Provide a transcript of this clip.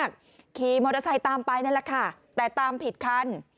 ขี่มอเตอร์ไซค์ตามไปนั่นแหละค่ะแต่ตามผิดคัน